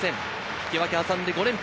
引き分けを挟んで５連敗。